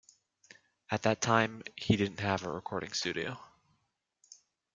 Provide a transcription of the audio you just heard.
At that time, he didn't have a recording studio.